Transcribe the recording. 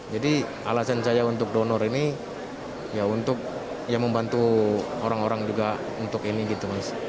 jadi alasan saya untuk donor ini ya untuk membantu orang orang juga untuk ini gitu mas